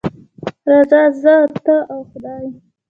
راځه زه، ته او خدای.